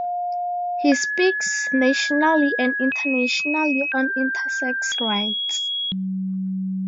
He speaks nationally and internationally on intersex rights.